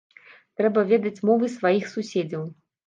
Трэба ведаць мовы сваіх суседзяў.